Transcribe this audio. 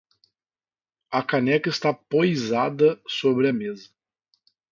A caneca está poisada sobre a mesa.